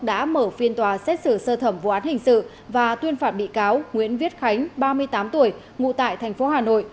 đã mở phiên tòa xét xử sơ thẩm vụ án hình sự và tuyên phạt bị cáo nguyễn viết khánh ba mươi tám tuổi ngụ tại tp hà nội